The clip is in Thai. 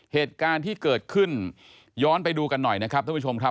เหตุการณ์ที่เกิดขึ้นย้อนไปดูกันหน่อยนะครับท่านผู้ชมครับ